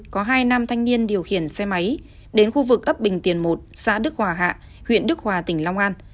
có hai nam thanh niên điều khiển xe máy đến khu vực ấp bình tiền một xã đức hòa hạ huyện đức hòa tỉnh long an